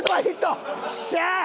よっしゃ！